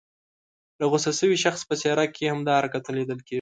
د غوسه شوي شخص په څېره کې هم دا حرکتونه لیدل کېږي.